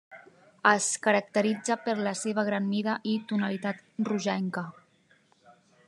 Es caracteritza per la seva gran mida i tonalitat rogenca.